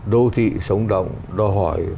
đô thị sống động đòi hỏi